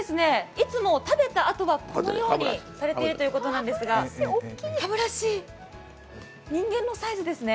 いつも、食べたあとはこのようにされているようなんですが歯ブラシ、人間のサイズですね。